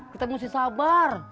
kita mesti sabar